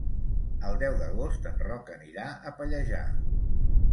El deu d'agost en Roc anirà a Pallejà.